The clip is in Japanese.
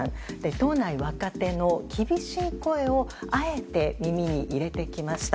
党内若手の厳しい声をあえて耳に入れてきました。